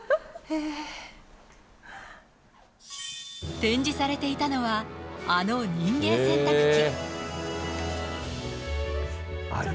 展示されていたのは、あの人間洗濯機。